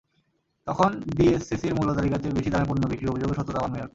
তখন ডিএসসিসির মূল্যতালিকার চেয়ে বেশি দামে পণ্য বিক্রির অভিযোগের সত্যতা পান মেয়র।